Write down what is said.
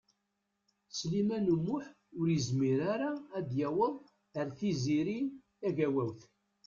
Sliman U Muḥ ur yezmir ara ad yaweḍ ar Tiziri Tagawawt.